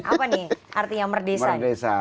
apa nih artinya merdesa